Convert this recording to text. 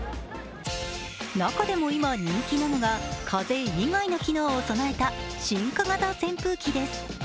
中でも今、人気なのが、風以外の機能を備えた進化型扇風機です。